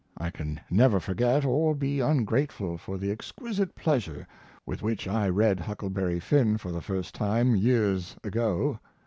I can never forget or be ungrateful for the exquisite pleasure with which I read Huckleberry Finn for the first time years ago.